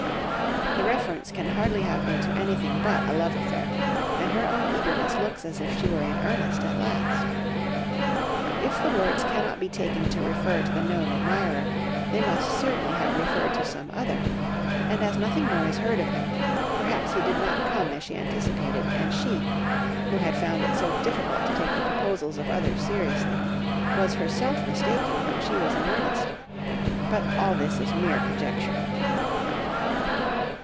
The reference can hardly have been to anything but a love affair, and her own eagerness looks as if she were in earnest at last. If the words cannot be taken to refer to the known admirer, they must certainly have referred to some other; and as nothing more is heard of him, perhaps he did not come as she anticipated, and she, who had found it so difficult to take the proposals of others seriously, was herself mistaken when she was in earnest; but all this is mere conjecture.